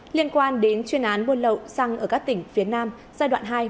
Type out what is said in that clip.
liên quan đến chuyên án buôn lậu xăng ở các tỉnh phía nam giai đoạn hai